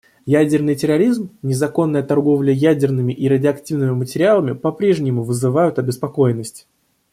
Ядерный терроризм, незаконная торговля ядерными и радиоактивными материалами попрежнему вызывают обеспокоенность.